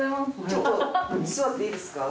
ちょっと座っていいですか？